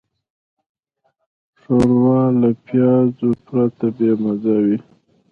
ښوروا له پیازو پرته بېمزه وي.